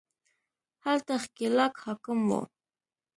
هلته ښکېلاک حاکم وو